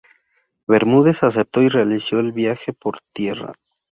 Bermúdez aceptó y realizó el viaje por tierra.